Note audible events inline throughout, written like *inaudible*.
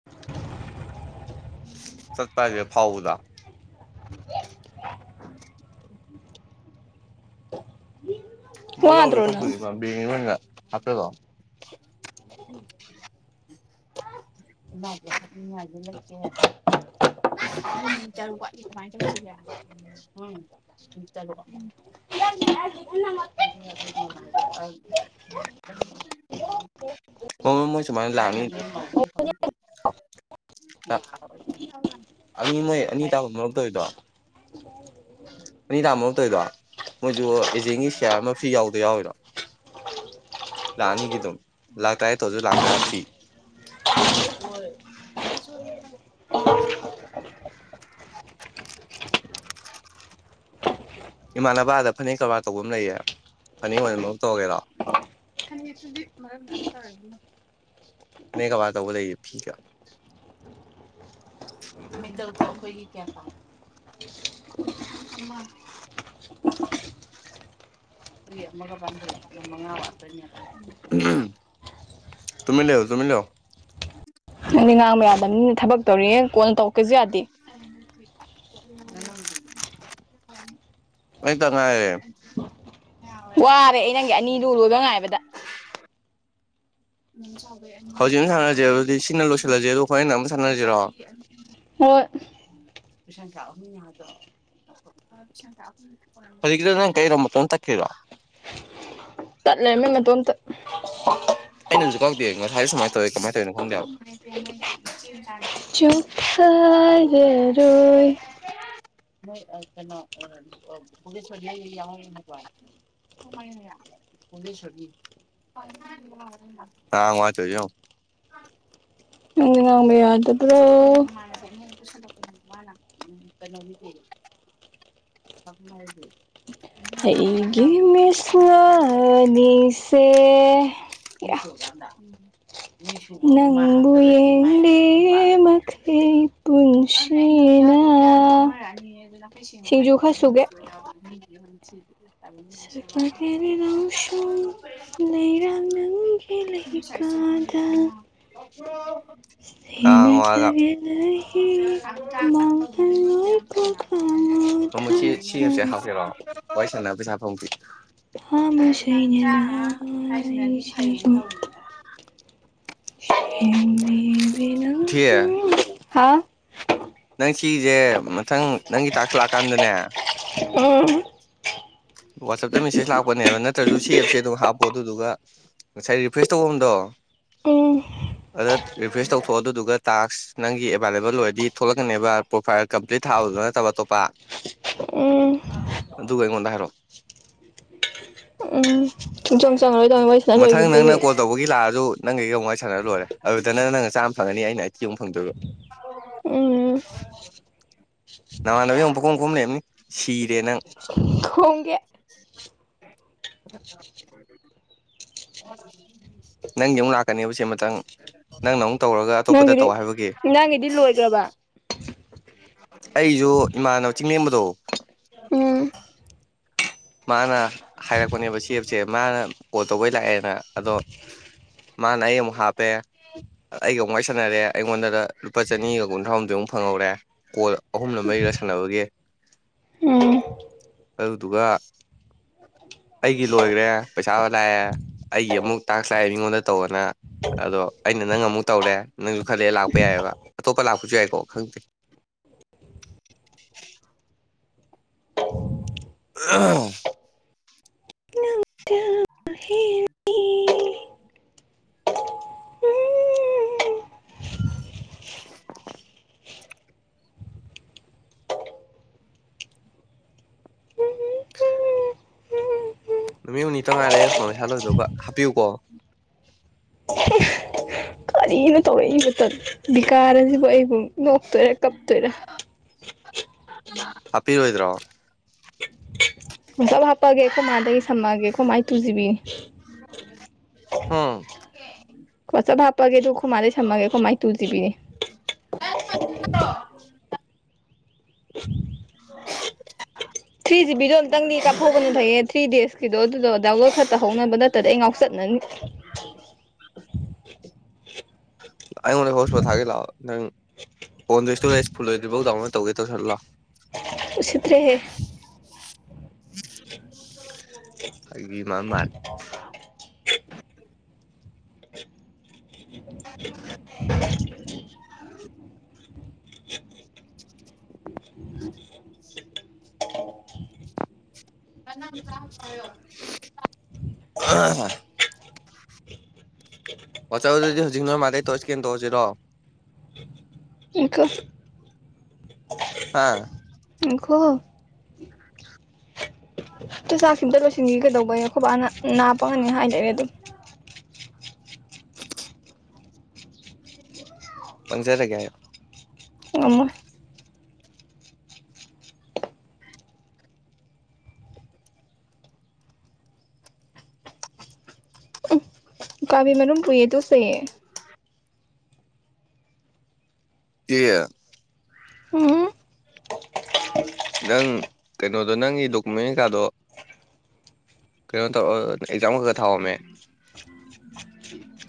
*inaudible* ꯆꯠ ꯄꯦ ꯐꯥꯎꯗ *inaudible* ꯃꯒꯥꯎꯗ ꯋꯥꯗ꯭ꯔꯣ ꯊꯣꯛꯄꯗꯤ ꯅꯪ ꯏ ꯃꯥ ꯕꯦꯦꯡꯣꯟꯒ ꯍꯥꯞꯆꯗꯣ ꯏꯃꯦꯅꯤꯡꯉꯗꯤꯦ ꯂꯩꯇꯦ ꯑꯩ ꯇꯔꯨ ꯀꯃꯥꯏꯅ ꯇꯧꯁꯤꯒꯦ ꯎꯝ ꯆꯠ ꯃꯗ ꯃ ꯃꯣꯏꯁꯨ ꯃ ꯂꯅꯤ ꯑꯅꯤ ꯃꯣꯏ ꯑꯅꯤ ꯇꯥꯐꯝꯟ ꯃꯔꯛꯇꯧꯔꯤꯗꯣ *unintelligible* ꯃꯤꯗꯥꯃ ꯇꯣꯏꯗꯣ ꯃꯣꯏꯁꯨ ꯑꯦꯖꯦꯟꯒꯤ ꯁꯤꯌꯥꯔ ꯑꯃ ꯐ꯭ꯤ ꯌꯥꯎꯗ ꯌꯥꯎꯋꯔꯣ ꯂꯥꯛꯑꯅꯤꯒꯤ ꯑꯗꯨꯝ ꯂꯥꯛꯇꯥꯔꯦ ꯇꯧꯁꯨ ꯂꯥꯛꯇꯥꯔꯥ ꯐ꯭ꯔꯤ ꯎꯝ ꯍꯣꯏ ꯄꯁꯨ ꯏꯃꯥꯟꯅꯕꯗ ꯐꯅꯦꯛ ꯀꯔꯕꯥꯔ ꯇꯧꯕ ꯑꯃ ꯂꯩꯌꯦ ꯐꯅꯦꯛ ꯑꯣꯏꯅ ꯃ ꯇꯧꯔꯒꯦꯔꯣ ꯅ ꯀꯋꯥ ꯇꯕꯨ ꯂꯩ ꯐ ꯃꯤꯇ ꯑꯩꯈꯣꯏꯒꯤ ꯀꯌꯥ ꯀꯥꯏ *unintelligible* ꯀꯔꯤ ꯑꯃꯒ *unintelligible* ꯃꯉꯥ ꯋꯥꯠꯇꯨꯏꯅꯦꯕ꯫ ꯇꯨꯃꯤꯟ ꯂꯩꯌꯨ ꯇꯨꯃꯤꯟ ꯂꯩꯌꯨ꯫ ꯅꯪꯗꯤ ꯉꯥꯡꯕ ꯌꯥꯗꯕꯅꯤꯅ ꯊꯕꯛ ꯇꯧꯔꯤꯑꯌꯦ ꯀꯣꯟꯅ ꯇꯧꯔꯛꯀꯦꯁꯨ ꯌꯥꯗꯦ꯫ *unintelligible* ꯑꯩꯇꯪꯉꯥꯏꯔꯦ ꯋꯥꯔꯦ ꯑꯩ ꯅꯪꯒꯤ ꯑꯅꯤꯗꯨ ꯂꯣꯏꯕ ꯉꯥꯏꯕꯗ꯫ ꯍꯧꯖꯤꯛ ꯑꯃ ꯁꯥꯟꯅꯔꯁꯦ ꯑꯗꯨꯗꯤ ꯁꯤꯅ ꯂꯣꯏꯁꯤꯜꯂꯁꯦ ꯑꯗꯣ ꯍꫭꯔꫭꯟ ꯑꯃꯨꯛ ꯁꯥꯟꯅꯔꯁꯤꯔꯣ꯫ ꯍꫭꯠ *unintelligible* *unintelligible* ꯍꯧꯖꯤꯛꯀꯤꯗꫭ ꯅꯪ ꯀꯩꯅꫭ ꯃꯇꫭꯝ ꯇꯥꯠ ꯈꯔꯤꯗꫭ꯫ ꯇꯠ ꯂꯩꯔꯝꯃꯦ ꯃꯇꯣꯝꯇ ꯑꯩꯅꯁꯨ ꯀꯥꯀꯇꯦ ꯉꯁꯥꯏꯁꯨ ꯁꯨꯃꯥꯏꯅ ꯇꯧꯋꯤ ꯀꯃꯥꯏꯅ ꯇꯧꯋꯤꯅꯣ ꯈꯪꯗꯦꯕ꯫ ꯆꯨꯊꯔꯔꯣꯏ ꯃꯣꯏ ꯀꯩꯅꯣ ꯑꯥ ꯄꯨꯂꯤꯁꯅ ꯌꯤꯏꯕ ꯌꯥꯎꯍꯧꯗꯔꯕꫭ꯫ *unintelligible* ꯍꯥ ꯋꯥꯇꯧꯔꯤꯁꯦ ꯌꯦꯡꯑꫭ꯫ ꯅꯪꯗꯤ ꯉꯥꯡꯕ ꯌꯥꯗꯕ꯭ꯔꯣ *unintelligible* ꯃꫭꯏ ꯃꯃꯥꯟꯅꯕꯤ ꯑꯃ *unintelligible* ꯄꯨꯁꯤꯟ ꯂꯥꯛꯄꯔꫭ ꯃꯃꯥꯅ ꯀꯩꯅꫭꯗꯨꯗꯤ *unintelligible* ꯑꯩꯒꯤ ꯃꯤꯠꯁꯅ ꯑꯅꯤꯁꯦ ꯌꯥ꯫ ꯃꯤ ꯁꯨꯕꯥꯕꯨ ꯃ ꯍꯥꯛ ꯅꯪꯕꯨ ꯆꯠꯂꯗꯤ ꯃꯥꯏ ꯌꯦꯡꯂꯤ ꯑꯅꯤꯃꯨꯛ ꯄꯥꯜꯂꯗꯤ ꯁꯨꯔꯦ ꯀꯩꯅꫭ ꯃꯈꯩ ꯑꯗꯨꯅꯦ ꯑꯩꯅ ꯍꯪ ꯄꯨꯟꯁꯤꯅ ꯌꯥꯕꯗꯣ ꯀꯌꯥꯝꯅꯣ ꯑꯃꯥꯔ ꯑꯅꯤ ꯑꯗꯨ ꯅꯈꯩꯏ ꯁꯦꯡꯅ ꯁꯤꯡꯖꯨ ꯈꯔ ꯁꯨꯒꯦ ꯍꯥꯏꯔꯛꯑꯣ *unintelligible* ꯁꯀꯂꯒꯦꯅꯦ ꯅꯥꯎꯁꯨꯝ ꯂꯩꯔꯥꯡ ꯅꯪꯒꯤ *unintelligible* ꯌꯥꯝ ꯉꯥꯡꯉꯦ ꯂꯩꯀꯥꯗ *unintelligible* ꯋꯥꯒ ꯁꯦꯟꯅꯖꯒꯦ ꯂꯩꯍꯤ ꯃꯥꯡꯍꯥꯟꯂꫭꯏ ꯃꯃꯨ ꯁꯤ ꯁꯤꯑꯦꯞꯁꯦ ꯍꯥꯞꯀꯦꯔꫭ ꯋꯥꯔꯤ ꯁꯥꯟꯅꯅꯕ ꯄꯩꯁꯥ ꯐꯪꯕꯤ꯫ ꯊꯃꫭꯏ ꯁꯦꯡꯅ ꯂꯥꯕ ꯂꯥꯍꯤꯁꯤꯡꯒꯨꯝ ꯁꯦꯡꯕꯤꯕꯤ ꯅꯪ ꯊꯤꯌꯦ ꯍꯥꯎ ꯅꯪ ꯁꯤꯁꯦ ꯃꯊꯪ ꯅꯪꯒꯤ ꯇꯥꯛꯁ ꯂꯥꯛꯀꯥꯟꯗꯅꯦ꯫ ꯎꯝ꯫ ꯋꯥꯆꯞꯇ ꯃꯦꯁꯦꯖ ꯂꯥꯛꯄꯅꯦꯕ ꯅꯠꯇ꯭ꯔꯁꯨ ꯁꯤ ꯑꯦꯞꯁꯦ ꯑꯗꯨꯝ ꯍꯥꯞꯄꯣ ꯑꯗꯨꯗꯨꯒ ꯉꯁꯥꯏ ꯔꯤꯐ꯭ꯋꯦꯁ ꯇꯧꯐꯝꯗꫭ꯫ ꯎꯝ꯫ ꯑꯗ ꯔꯤꯐ꯭ꯔꯦꯁ ꯇꯧꯊꯣꯛꯑꯣ ꯑꯗꯨꯗꯨꯒ ꯇꯥꯛꯁ ꯅꯪꯒꯤ ꯑꯦꯕꯥꯏꯂꯦꯕꯜ ꯑꯣꯏꯔꯗꯤ ꯊꯣꯛꯂꯛꯀꯅꯦꯕ ꯄ꯭ꯔꯣꯐꯥꯏꯜ ꯀꯝꯄ꯭ꯂꯤꯠ ꯊꯥꯕꯗꯨ ꯅꯠꯇꯕ ꯑꯇꯣꯞꯄ ꯎꯝ ꯑꯗꯨꯒ ꯑꯩꯉꯣꯟꯗ ꯍꯥꯏꯔꯛꯑꯣ꯫ ꯎꯝ ꯁꯨꯡꯆꯪ ꯆꯪꯉꯔꯣꯏꯗꯕꯅꯤ ꯋꯔꯤ ꯁꯥꯟꯅ ꯃꯊꯪ ꯂꯣꯏꯈꯤꯕꯗꯒꯤ ꯅꯪꯅ ꯑꯩ꯫ ꯀꯣꯜ ꯇꯧꯕꯒꯤ ꯂꯥꯛꯑꯁꯨ ꯅꯪ ꯑꯩꯒꯥ ꯑꯃꯨꯛ ꯋꯥꯔꯤ ꯁꯥꯟꯅ ꯂꯣꯏꯔꯦ ꯑꯗꯨꯗ ꯅꯪꯅ ꯆꯥꯝ ꯐꯪꯉꯅꯤ ꯑꯩꯅ ꯑꯦꯠꯇꯤ ꯑꯃꯨꯛ ꯐꯪꯗꯣꯏꯕ꯫ ꯎꯝ ꯅꯃꯥꯟꯅꯕꯤ ꯑꯃꯨꯛ ꯄꯥꯟꯈꫭꯝ ꯈꫭꯝ ꯂꯩꯔꯝꯅꯤ ꯁꯤꯔꯦ ꯅꯪ꯫ ꯈꫭꯝꯒꯦ꯫ ꯅꯪꯒꯤ ꯑꯃꯨꯛ ꯂꯥꯛꯀꯅꯦꯕ ꯁꯤ ꯃꯊꯪ꯫ ꯅꯪꯅ ꯑꯃꯨꯛ ꯇꯧꯔꯒ ꯑꯇꯣꯞꯄꯗ ꯅꯪꯒꯤꯗꯤ ꯇꯧ ꯍꯥꯏꯕꯒꯤ꯫ ꯅꯪꯒꯤꯗꯤ ꯂꯣꯏꯈ꯭ꯔꯕ ꯑꯩꯒꯤꯁꯨ ꯏꯃꯥꯟꯅꯕ ꯆꯤꯡꯂꯦꯝꯕꯗꯣ ꯎꯝ ꯃꯥꯅ ꯍꯥꯏꯔꯛꯄꯅꯦꯕꯁꯤ ꯑꯦꯞꯁꯦ ꯃꯥꯅ ꯀꯣꯜ ꯇꯧꯕꯩ ꯂꯥꯛꯑꯦꯅ ꯑꯗꯣ ꯃꯥꯅ ꯑꯩ ꯑꯃꯨꯛ ꯍꯥꯞꯄꯦ ꯫ ꯑꯩꯒ ꯑꯃꯨꯛ ꯋꯥꯔꯤ ꯁꯥꯟꯅꯔꯦ ꯑꯩꯉꯣꯟꯗꯅ ꯂꯨꯄꯥ ꯆꯅꯤꯒ ꯀꯨꯟꯊ꯭ꯔꯥꯍꯨꯝꯗꫭꯏꯃꯨꯛ ꯐꯪꯍꯧꯔꯦ꯫ ꯀꯣꯜ ꯑꯍꯨꯝꯂꯥ ꯃꯔꯤꯔ ꯁꯥꯟꯅꯕꯒꯤ ꯎꯝ ꯑꯗꯨꯗꯨꯒ ꯑꯩꯒꯤ ꯂꯣꯏꯈ꯭ꯔꯦ ꯄꯩꯁꯥ ꯂꯥꯛꯑꯦ ꯑꯩꯒꯤ ꯑꯃꯨꯛ ꯇꯥꯛꯁ ꯂꯥꯛꯑꯦ ꯃꯤꯉꯣꯟꯗ ꯇꯧꯑꫭꯅ꯫ ꯑꯗꯣ ꯑꯩꯅ ꯅꯪ ꯑꯃꯨꯛ ꯇꯧꯔꯦ ꯅꯪꯁꯨ ꯈꯂꯦ ꯂꯥꯛꯄ ꯌꯥꯏꯑꯕ ꯑꯇꯣꯞꯄ ꯂꯥꯛꯄꯁꯨ ꯌꯥꯏꯀꯣ ꯈꯪꯗꯦ꯫ *unintelligible* ꯍ ꯎ *inaudible* *inaudible* ꯅꯨꯃꯤꯠ ꯍꯨꯝꯅꯤ ꯇꯉꯥꯏꯔꯦ ꯐꯣꯟ ꯄꯩꯁꯥ ꯂꯧꯣꯏꯗꯒ ꯍꯥꯞꯄꯤꯌꯨꯀꯣ *inaudible* ꯏꯕꯨ ꯕꯤꯀꯥꯔꯁꯤꯕꯨ ꯑꯩꯕꯨ ꯅꯣꯛꯇꯣꯏꯔꯥ ꯀꯞꯇꯣꯏꯔꯥ ꯍꯥꯄꯤꯔꯣꯏꯗ꯭ꯔꯣ ꯁ ꯍꯥꯞꯄꯑꯒꯦꯈꯣ ꯃꯥꯗꯗꯒꯤ ꯁꯝꯃꯒꯦꯈꯣ ꯃꯥꯥꯏ ꯇꯨꯁꯤꯕꯤ ꯍꯝ ꯀꯣ ꯆꯞ ꯍꯥꯞꯄꯒꯦ ꯑꯗꯨꯣꯈ ꯃꯥꯂꯩ ꯁꯝꯃꯒꯦꯣ ꯃꯥꯏ ꯇꯨꯁꯤꯕꯤꯅꯦ *inaudible* ꯊ꯭ꯔꯤ ꯖꯤꯕꯤꯗꯣ ꯑꯨꯛꯇꯪꯗꯤ ꯀꯥꯞꯍꯧꯕꯅ ꯐꯩꯌꯦ ꯊ꯭ꯔꯤ ꯗꯦꯖꯀꯤꯗꯣ ꯑꯗꯨꯗꯣꯗꯥꯎꯂꯔ ꯈꯛꯇ ꯍꯧꯅꯕ ꯅꯠꯇ ꯑꯩ ꯉꯥꯎ ꯆꯠ ꯅ ꯑꯩꯉꯣꯟꯗ ꯍꯣꯁꯄꯜ ꯊꯥꯒꯠ ꯂꯥꯛꯑꯣ ꯅꯪ ꯐꯣꯟꯗꯣ ꯏꯁꯇꯣꯔꯦꯖ ꯐꯨꯜ ꯑꯣꯏꯗꯗꯤꯐꯥꯎ ꯗꯥꯎꯟꯂꯣꯗ ꯇꯧꯒꯦ ꯇꯧꯁꯜꯂꯥꯛꯑꯣ ꯁꯇ꯭ꯔꯦ ꯍꯦ *inaudible* ꯍꯥꯏ ꯏ ꯃ ꯃꯥ *inaudible* *inaudible* ꯑ ꯑꯣꯆꯧ ꯑꯗꯨꯗꯤ ꯍꯧꯖꯤꯛ ꯅꯣꯏ ꯃꯥꯜꯗꯩ ꯇꯣ ꯏꯁꯀꯦꯟ ꯇꯧꯔꯁꯤꯔꯣ ꯏꯀ ꯍꯥꯥ ꯎꯈꯣ ꯆ ꯆꯥꯛꯁꯤꯗ ꯂꯣꯏꯁꯤꯟꯁꯤ ꯀꯩꯗꯧꯕꯩ ꯈꯨꯕꯥꯛꯅ ꯅꯥꯞꯄꯉꯅꯤ ꯍꯥꯏꯗꯔꯦ ꯑꯗꯨꯝ ꯄꯪꯖꯔꯒꯦ ꯍꯥꯏ ꯑꯃ ꯀꯥꯕꯤꯃꯅꯨꯝ ꯀꯨꯏꯌꯦ ꯇꯨꯁꯦꯦ ꯀ ꯎꯝ ꯅꯪ ꯀꯩꯅꯣꯗꯣ ꯅꯪꯒꯤ ꯗꯣꯀꯨꯃꯦꯟ ꯀꯩꯀꯥꯗꯣ ꯀꯩꯅꯣ ꯇꯧꯔ ꯑꯦꯛꯖꯥꯝ ꯈꯛ ꯈ ꯊꯥꯎꯔꯝꯃꯦ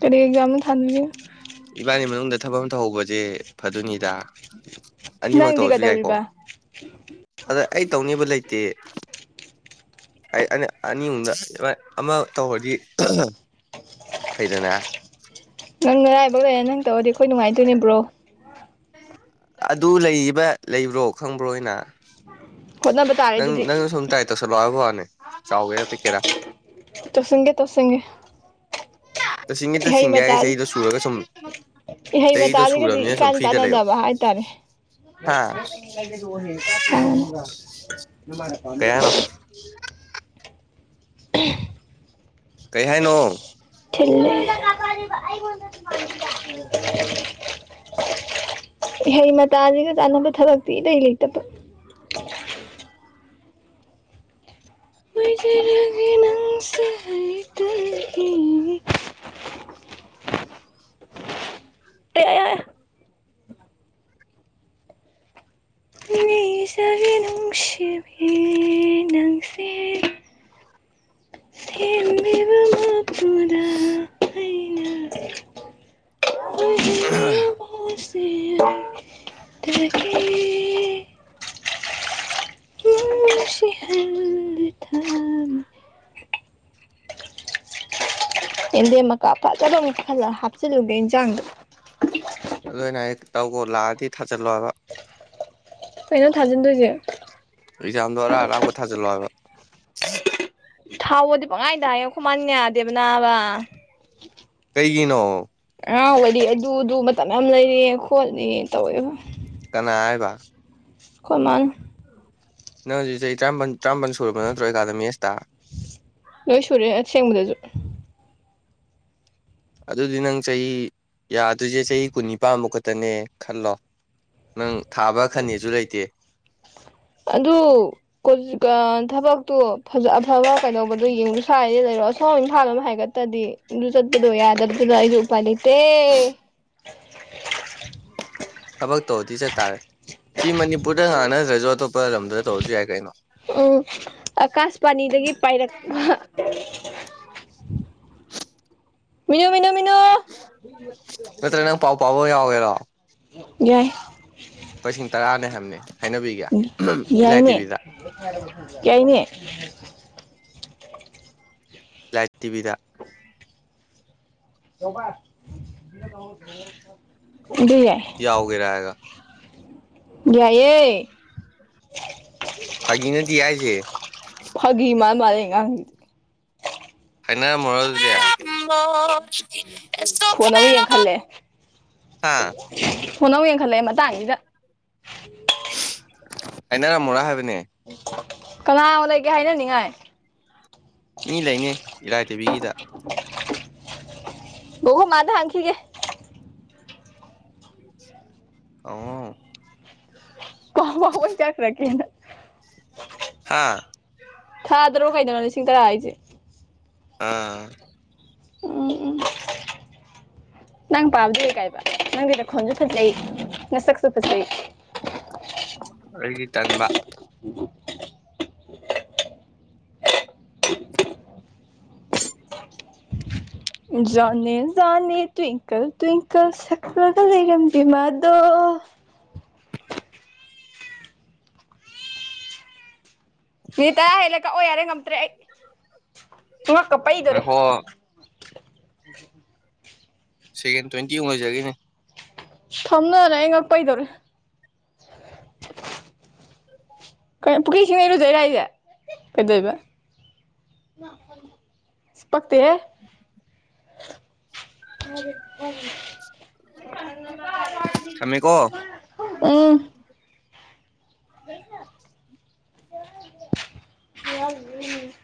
ꯀꯔꯤ ꯑꯦꯛꯖꯥꯝ ꯊꯥꯟꯅꯤꯡꯒ ꯏꯕꯥꯅꯤ ꯃꯅꯨꯡꯗ ꯊꯕꯛ ꯑꯃ ꯇꯧꯍꯧꯕꯁꯦ ꯐꯗꯨꯅꯤꯗ ꯑꯅꯤꯃꯛ ꯅꯪꯗꯤ ꯇꯧꯔꯁꯨ ꯌꯥꯏꯀꯣ ꯀꯩꯗꯧꯔꯤꯕ ꯑꯗ ꯑꯩ ꯇꯧꯅꯤꯡꯕ ꯂꯩꯇꯦ ꯑꯩꯅ ꯑꯅꯤ ꯑꯨꯝꯗꯃ ꯑꯃ ꯇꯧꯔꯗꯤ ꯐꯩꯗꯅ ꯨꯡ ꯑꯥꯏꯕ ꯂꯩꯔꯦ ꯅꯪ ꯇꯧꯔꯗꯤ ꯑꯩꯈꯣꯏꯅꯨꯡꯉꯥꯏꯗꯣꯏꯅꯦꯕ꯭ꯔꯣ ꯑꯗꯨ ꯂꯩꯕ ꯂꯩꯕ꯭ꯔꯣ ꯈꯪꯕ꯭ꯔꯣꯅ ꯍꯣꯠꯅꯕ ꯇꯥꯔꯦ ꯅꯪ ꯑꯗꯨꯗꯤ ꯅꯪꯅ ꯁꯨꯝ ꯇ꯭ꯔꯥꯏ ꯇꯧꯁꯜꯂꯣꯑꯣ ꯍꯥꯏꯕ ꯐꯅꯦ ꯆꯥꯎꯒꯦꯔꯥ ꯄꯤꯛꯀꯦꯔꯥ ꯇꯁꯦꯡꯒꯦ ꯇꯁꯦꯡꯒꯦ ꯇꯁꯦꯡꯒꯤ ꯇꯁꯦꯡꯒꯦ ꯍꯥꯏꯒꯤ ꯃꯇꯥꯁꯤ ꯆꯍꯤꯗꯣ ꯁꯨꯔꯒ ꯁꯨꯝ ꯏꯍꯩ ꯆꯍꯤꯗꯣ ꯃꯆꯥꯁꯤꯒꯗꯤ ꯁꯨꯔꯕꯅꯤꯅ ꯁꯨꯝ ꯏꯀꯥꯟ ꯐ꯭ꯔꯤꯗ ꯂꯩꯌꯣ ꯀꯥꯟꯅꯗꯕ ꯍꯥꯏꯇꯥꯔꯦ ꯍꯥ ꯗꯣ ꯍꯦ ꯀ ꯀꯌꯥꯅꯣ *inaudible* ꯀꯩ ꯍꯥꯏꯅꯣ *inaudible* ꯍꯩ ꯃꯇꯥꯁꯤꯒ ꯆꯥꯅꯕ ꯊꯕꯛꯇꯤ ꯏꯇꯩꯩ ꯂꯩꯇꯕ ꯃꯣꯏꯕꯔꯒ ꯅꯪꯁꯤꯦ ꯎ *unintelligible* ꯇꯌꯥ ꯅꯤꯖꯕꯤꯦ ꯅꯅꯨꯡꯁꯤꯕ ꯅꯪꯁꯤ ꯍꯣꯡꯗ ꯎ ꯁꯤꯌꯥ ꯑꯗꯨ ꯁꯤꯍꯜ ꯊꯝ ꯑꯦꯦꯝꯗꯦꯝ ꯃꯀꯥ ꯐꯖꯅ ꯑꯃꯨꯛ ꯈꯜꯂ ꯍꯥꯞꯆꯤꯜꯂꯨꯒꯦ ꯏꯟꯖꯥꯡꯗꯣ ꯑꯗꯨ ꯑꯣꯏꯅ ꯑꯩ ꯇꯧꯈꯣ ꯂꯥꯛꯑꯗꯤ ꯊꯥꯖꯤꯜꯂꯣꯕ ꯀꯩꯅꯣ ꯊꯥꯖꯤꯟꯗꯣꯏꯁꯦ ꯑꯦꯛꯖꯥꯝꯗ ꯑꯔꯥ ꯑꯔꯥꯛꯄ ꯊꯥꯖꯤꯜꯂꯣ ꯍꯥꯏꯕ ꯊꯥꯎꯕꯗꯤ ꯄꯪꯉꯥꯏꯗꯏꯌꯦꯡ ꯈꯨꯃꯟ ꯌꯥꯗꯦꯕ ꯅꯥꯕ ꯀꯩꯒꯤꯅꯣ ꯑꯥꯎ ꯋꯥꯔꯤꯗꯤ ꯑꯗꯨꯗꯨ ꯃꯇꯝ ꯌꯥꯝ ꯂꯩꯔꯦ ꯈꯣꯠꯂꯦ ꯇꯧꯋꯦꯕ ꯀꯅ ꯑꯥꯏꯕ ꯑꯩꯈꯣꯏꯃꯥꯏꯅꯤ ꯅꯪ ꯍꯧꯖꯤꯛ ꯆꯍꯤ ꯇꯔꯥꯄꯜ ꯇꯔꯥꯄꯜ ꯁꯨꯔꯕ ꯅꯠꯇ꯭ꯔꯣ ꯑꯦꯀꯥꯗꯃꯤꯛ ꯑꯦꯁꯇ ꯂꯣꯏ ꯁꯨꯔꯦ ꯑꯁꯦꯡꯕꯗꯁꯨ ꯑꯗꯨꯗꯤ ꯅꯪ ꯆꯍꯤ ꯌꯥꯗꯣꯏꯁꯦ ꯆꯍꯤ ꯀꯨꯟꯅꯤ ꯄꯥꯟꯕꯥꯝꯕ ꯈꯛꯇꯅꯦ ꯈꯜꯂꯣ ꯅꯪ ꯊꯥꯕ ꯈꯟꯅꯤꯁꯨ ꯂꯩꯇꯦ ꯑꯗꯨ ꯊꯕꯛꯇꯣ ꯑꯐꯕ ꯀꯩꯗꯧꯕꯗꯨꯣ ꯌꯦꯡꯉꯨ ꯁ꯭ꯋꯥꯏꯗꯤ ꯂꯩꯔꯣꯑꯣ ꯑꯁꯣꯝ ꯏꯝꯐꯥꯜꯂꯣꯝꯗ ꯍꯥꯏꯒꯠꯇꯗꯤ ꯑꯥꯗꯨ ꯆꯠꯄꯗꯨ ꯌꯥꯗꯕꯨꯗꯨꯗ ꯑꯩꯁꯨ ꯎꯄꯥꯥꯏ ꯂꯩꯇꯦ ꯊꯕꯛ ꯇꯧꯔꯗꯤ ꯆꯠꯇꯥꯥꯔꯦ ꯁꯤ ꯃꯅꯤꯄꯨꯔꯗ ꯉꯥꯡꯅꯗ꯭ꯔꯁꯨ ꯑꯇꯣꯞꯄ ꯂꯝꯗ ꯇꯧꯔꯁꯨ ꯌꯥꯏ ꯀꯩꯅꯣ ꯎꯝ ꯑꯀꯥꯁꯕꯥꯅꯤꯗꯒꯤ ꯄꯥꯏꯔꯛꯄ *inaudible* ꯃꯤꯅꯨ ꯃꯤꯅꯨ ꯃꯤꯅꯨ ꯅꯠꯇ꯭ꯔ ꯅꯪ ꯄꯥꯎ ꯄꯥꯕ ꯌꯥꯎꯒꯦꯔꯥ ꯌꯥꯏ ꯂꯄꯥ ꯂꯤꯁꯤꯡ ꯇꯔꯥꯅꯦ ꯍꯥꯏꯕꯅꯤ ꯍꯥꯏꯅꯕꯤꯒꯦ ꯏꯂꯥꯏ ꯌꯥꯏꯅꯦ ꯇꯤꯕꯤꯗ ꯌꯥꯏꯅꯦ ꯏꯂꯥꯏꯠ ꯇꯤꯚꯤꯗ ꯑꯗꯨ ꯌꯥꯏ ꯌꯥꯎꯒꯦꯔ ꯍꯥꯏꯔꯒ ꯌꯥꯏꯌꯦ ꯐꯒꯤ ꯅꯠꯇꯤꯌꯦ ꯍꯥꯏꯁꯦ ꯐꯥꯒꯤ ꯃꯥ ꯃꯥꯂꯦ ꯉꯥꯡ ꯍꯥꯏꯅꯔꯝꯃꯣꯔꯥ ꯑꯗꯨꯗꯤ ꯐꯣꯟ ꯑꯃꯨꯛ ꯌꯦꯡꯈꯠꯂꯛꯑꯦ ꯍꯥꯥ ꯐꯣꯟ ꯑꯃꯨꯛ ꯌꯦꯡꯈꯠꯂꯛꯑꯦ ꯃꯇꯥꯡꯁꯤꯗ ꯍꯥꯏꯃꯔꯝꯃꯣꯔꯥ ꯍꯥꯏꯕꯅꯦ ꯀꯅꯥ ꯂꯩꯒꯦ ꯍꯥꯏꯅꯅꯤꯡꯉꯥꯏ ꯃꯤ ꯂꯩꯅꯦ ꯏꯂꯥꯏ ꯇꯤꯕꯤꯒꯤꯗ ꯕꯣꯕꯣꯛ ꯃꯃꯗ ꯍꯪꯉꯛꯈꯤꯒꯦ ꯍꯡꯉꯣ ꯍꯡꯉꯣ ꯄꯥꯎ ꯋꯥ ꯆꯥꯛꯔꯀꯦ ꯍꯥꯥ ꯊꯥꯗ꯭ꯔꯣ ꯀꯩꯗꯅꯣ ꯂꯤꯁꯤꯡ ꯇꯔꯥ ꯍꯥꯏꯁꯦ ꯑꯥ ꯎꯝ ꯎꯝ ꯅꯪ ꯄꯥꯕꯗꯨꯗꯤ ꯀꯥꯏꯕ ꯅꯪꯗꯤ ꯇꯈꯣꯟꯁꯨ ꯐꯖꯩ ꯉꯁꯛꯁꯨ ꯐꯖꯩ ꯑꯩꯗꯤ ꯇꯟꯕꯥ ꯎꯝ ꯖꯣꯅꯤ ꯍꯣꯅꯤ ꯇ꯭ꯋꯤꯡꯀꯜ ꯇ꯭ꯋꯤꯡꯀꯜ ꯁꯛꯂꯒ ꯂꯩꯔꯝꯕꯤ ꯃꯥꯗꯣ ꯃꯤ ꯇꯔꯥ ꯍꯦꯜꯂ ꯀꯛꯑꯣ ꯌꯥꯔꯦ ꯉꯝꯇ꯭ꯔꯦ ꯑꯩ ꯉꯛꯀ ꯄꯩꯗꯣꯔꯦ ꯉꯥꯏꯈꯣ ꯁꯦꯀꯦꯟ ꯇ꯭ꯋꯦꯟꯇꯤꯃꯨꯛ ꯑꯣꯏꯖꯒꯤꯅꯤ ꯊꯝꯅꯅꯦ ꯑꯩ ꯉꯛꯄꯩꯗꯧꯔꯦ ꯀꯩꯅꯣ ꯄꯨꯈꯩ ꯁꯤꯡ ꯂꯩꯩꯔꯨꯗꯣꯏꯔꯥ ꯍꯥꯏꯁꯦ ꯀꯩꯗꯣꯏꯕ ꯄꯛꯇꯦꯍꯦ *inaudible* ꯊꯝꯃꯦꯀꯣ ꯎꯝ *unintelligible*